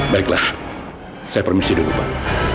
baiklah saya permisi dulu pak